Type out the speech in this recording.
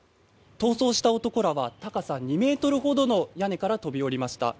逃走した男らは高さ２ｍほどの屋根から飛び降りました。